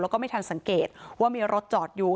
แล้วก็ไม่ทันสังเกตว่ามีรถจอดอยู่